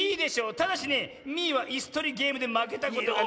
ただしねミーはいすとりゲームでまけたことがない。